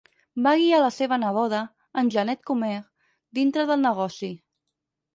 Va guiar la seva neboda, Anjanette Comer, dintre del negoci.